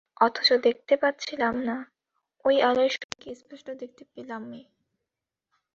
অথচ দেখতে পাচ্ছিলাম না, এই আলোয় সবাইকে স্পষ্ট দেখতে পেলাম-এ।